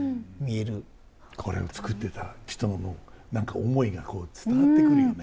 これを作ってた人の何か思いがこう伝わってくるよね。